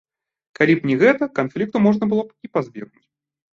Калі б не гэта, канфлікту можна было б і пазбегнуць.